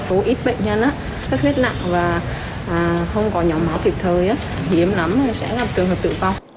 có ít bệnh nhân sốt huyết nặng và không có nhỏ máu kịp thời hiếm lắm sẽ gặp trường hợp tự phong